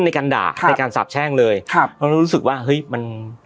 ในการด่าในการสาบแช่งเลยครับเรารู้สึกว่าเฮ้ยมัน